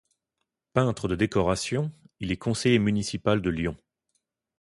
Peintre de décoration, il est conseiller municipal de Lyon.